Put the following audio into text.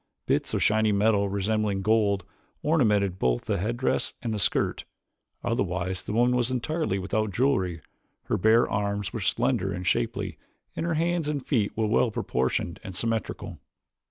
Bits of shiny metal resembling gold, ornamented both the headdress and the skirt. Otherwise the woman was entirely without jewelry. Her bare arms were slender and shapely and her hands and feet well proportioned and symmetrical.